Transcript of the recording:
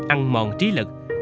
ăn mòn trí lực